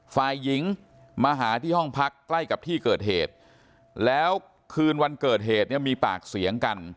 ฝ่ายหญิงมาหาที่ห้องพักใกล้กับที่เกิดเหตุแล้วคืนวันเกิดเหตุเนี่ยมีปากเสียงกัน